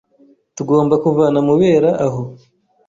Tugomba kuvana Mubera aho.